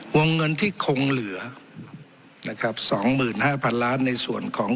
วงเงินที่คงเหลือนะครับสองหมื่นห้าพันล้านในส่วนของ